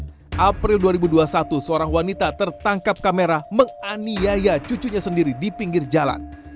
pada april dua ribu dua puluh satu seorang wanita tertangkap kamera menganiaya cucunya sendiri di pinggir jalan